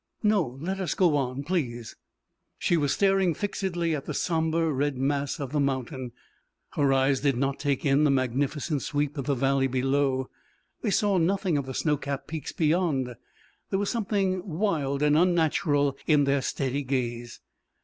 "No. Let us go on, please." She was staring fixedly at the sombre red mass of the mountain. Her eyes did not take in the magnificent sweep of the valley below. They saw nothing of the snow capped peaks beyond. There was something wild and unnatural in their steady gaze.